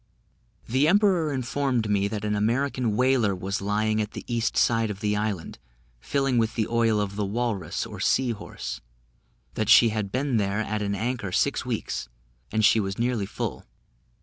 The emperor informed me that an American whaler was lying at the east side of the island, filling with the oil of the walrus, or sea horse; that she had been there at an anchor six weeks, and was nearly full.